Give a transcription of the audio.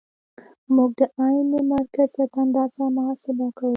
موږ د عین مرکزیت اندازه محاسبه کوو